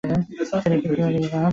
সেটা করেই বা কী লাভ?